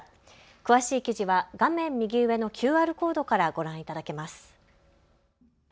詳しい記事は画面右上のＱＲコードからご覧いただけます。